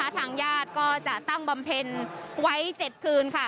ทางญาติก็จะตั้งบำเพ็ญไว้๗คืน